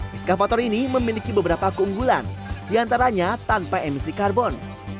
diskavator ini memiliki beberapa keunggulan diantaranya tanpa emisi karbon